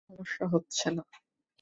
কোনো সমস্যা হচ্ছে না।